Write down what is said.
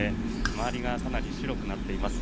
周りがかなり白くなっています。